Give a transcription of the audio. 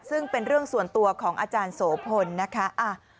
ซึ่งเป็นเรื่องส่วนตัวของอาจารย์โสพลนะคะ